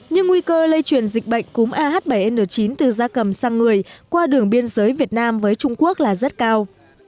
nhưng nguy cơ lây truyền dịch bệnh cúm ah bảy n chín từ da cầm sang người qua đường biên giới việt nam với trung quốc là rất cao